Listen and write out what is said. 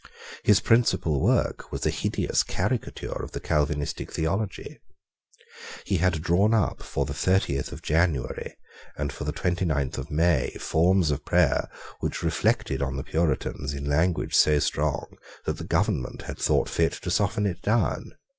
His principal work was a hideous caricature of the Calvinistic theology. He had drawn up for the thirtieth of January and for the twenty ninth of May forms of prayer which reflected on the Puritans in language so strong that the government had thought fit to soften it down.